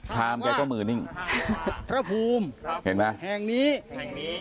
พราวม์แก้เก้ามือนิ่งเห็นมั้ย